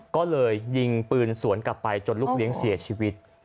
ก็เลยยิงปืนสวนกลับไปจนลูกเลี้ยงเสียชีวิต